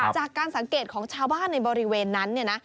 จากการสังเกตของชาวบ้านในบริเวณนั้น